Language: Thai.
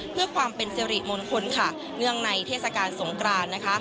เพื่อความเป็นสิริมงคลค่ะเนื่องในเทศกาลสงกรานนะคะ